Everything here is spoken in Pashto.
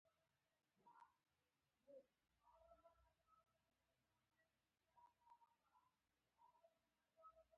حالت ته کتل.